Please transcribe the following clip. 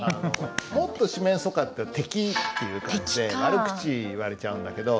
もっと「四面楚歌」って敵っていう感じで悪口言われちゃうんだけど。